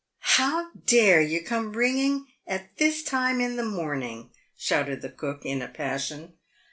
" How dare yer come a ringing at this time in the morning ?" shouted the cook, in a passion.